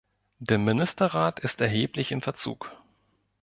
Der Ministerrat ist erheblich im Verzug.